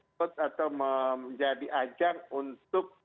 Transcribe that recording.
ikut atau menjadi ajang untuk